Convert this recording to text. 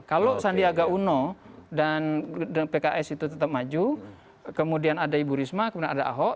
kalau sandiaga uno dan pks itu tetap maju kemudian ada ibu risma kemudian ada ahok